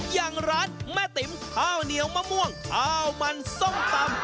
อย่างร้านแม่ติ๋มข้าวเหนียวมะม่วงข้าวมันส้มตำ